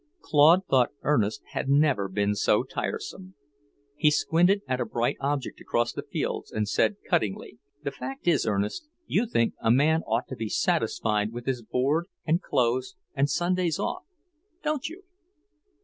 Claude thought Ernest had never been so tiresome. He squinted at a bright object across the fields and said cuttingly, "The fact is, Ernest, you think a man ought to be satisfied with his board and clothes and Sundays off, don't you?"